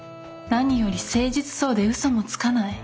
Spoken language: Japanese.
何より誠実そうで嘘もつかない。